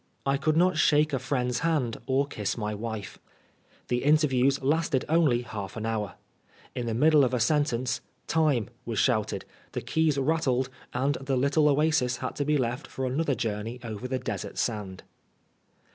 I could not shake a friend's hand or kiss my wife. The interviews lasted only half an hour. In the middle of a sentence ^' Time !" was shouted, the keys rattled, and the little oasis had to be left for another journey over the desert «and.